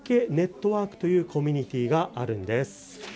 株分けネットワークというコミュニティーがあるんです。